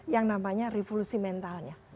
yang namanya revolusi mentalnya